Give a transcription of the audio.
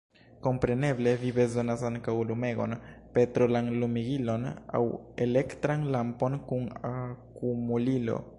Kompreneble, vi bezonas ankaŭ lumegon – petrolan lumigilon aŭ elektran lampon kun akumulilo.